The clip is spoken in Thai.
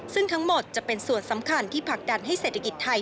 ซึ่งทั้งหมดจะเป็นส่วนสำคัญที่ผลักดันให้เศรษฐกิจไทย